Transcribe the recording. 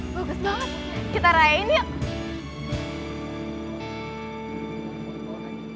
bagus banget kita rayain yuk